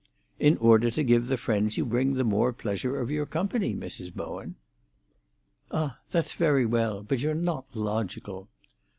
"In order to give the friends you bring the more pleasure of your company, Mrs. Bowen." "Ah! that's very well. But you're not logical."